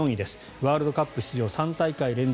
ワールドカップ出場３大会連続